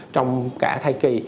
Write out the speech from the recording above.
trong cả thai kỳ